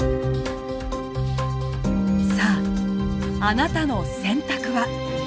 さああなたの選択は。